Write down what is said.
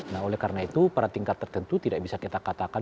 nah oleh karena itu pada tingkat tertentu tidak bisa kita katakan